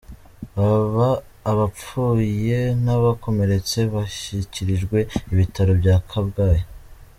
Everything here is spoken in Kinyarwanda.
Baba abapfuye n’abakomeretse bashyikirijwe ibitaro bya Kabgayi.